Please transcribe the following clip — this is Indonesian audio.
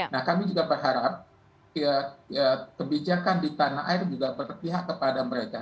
nah kami juga berharap kebijakan di tanah air juga berpihak kepada mereka